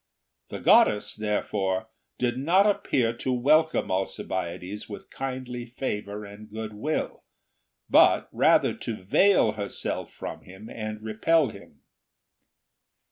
The goddess, therefore, did not appear to welcome Alcibiades with kindly favour and good will, but rather to veil herself from him and repelhim.